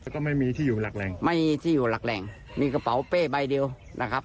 แล้วก็ไม่มีที่อยู่หลักแหล่งไม่มีที่อยู่หลักแหล่งมีกระเป๋าเป้ใบเดียวนะครับ